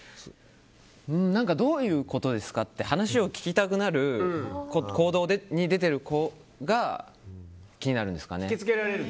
どういうことですかって話を聞きたくなる行動に出てる子が気になるんですかね。